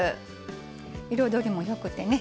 彩りもよくてね